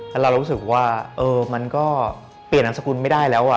แล้วเรารู้สึกว่ามันก็เปลี่ยนนามสกุลไม่ได้แล้ว